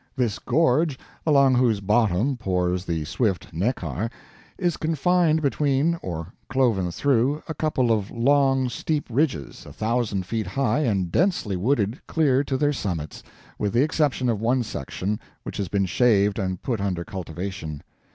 This gorge along whose bottom pours the swift Neckar is confined between (or cloven through) a couple of long, steep ridges, a thousand feet high and densely wooded clear to their summits, with the exception of one section which has been shaved and put under cultivation.